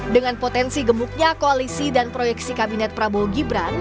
dengan potensi gemuknya koalisi dan proyeksi kabinet prabowo gibran